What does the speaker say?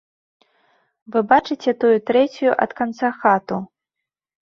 Вы бачыце тую трэцюю ад канца хату.